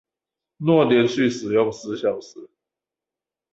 若連續使用十小時